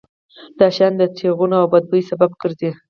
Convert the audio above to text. دا شیان د ټېغونو او بد بوی سبب ګرځي.